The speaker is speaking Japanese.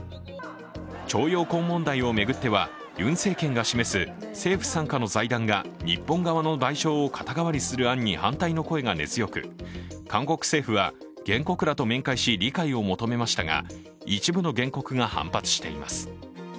徴用工問題を巡っては、ユン政権が示す政府傘下の財団が日本側の賠償を肩代わりする案に反対の声が根強く韓国政府は原告らと面会し、理解を求めましたが、一部の原告が反発しています。